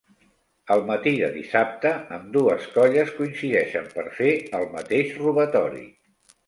El matí de dissabte, ambdues colles coincideixen per fer el mateix robatori.